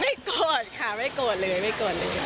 โกรธค่ะไม่โกรธเลยไม่โกรธเลย